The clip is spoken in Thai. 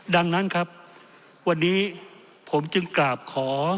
ดังนั้นครับวันนี้ผมจึงกราบขอ